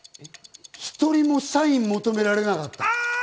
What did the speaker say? １人もサインを求められなかった。